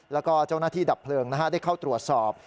แล้วก็เจ้าหน้าที่ดับเพลิงได้เข้าตรวจสอบ